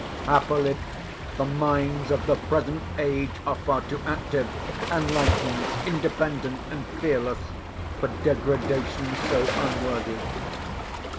Happily, the minds of the present age are far too active, enlightened, independent, and fearless, for degradation so unworthy.